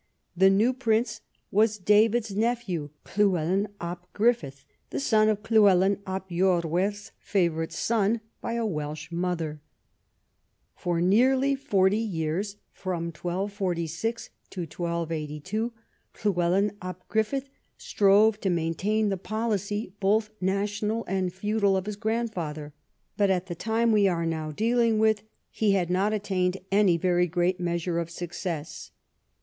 The new prince was David's nephew Llywelyn ab Gruffydd, the son of Llywelyn ab lorwerth's favourite son by a Welsh mother. For nearly forty years (1246 1282) Llywelyn ab Grulfydd strove to maintain the policy, both national and feudal, of his grandfather. But at the time we are now dealing with he had not attained any very great measure of success.